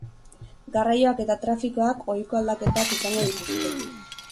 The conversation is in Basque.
Garraioak eta trafikoak ohiko aldaketak izango dituzte.